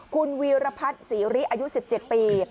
คุณวีรพัฒน์ศรีริอายุ๑๗ปี